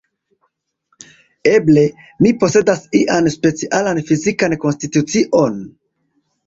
Eble, mi posedas ian specialan fizikan konstitucion?